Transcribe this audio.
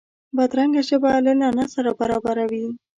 بدرنګه ژبه له لعنت سره برابره وي